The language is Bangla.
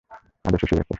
আদেশ এসে গেছে।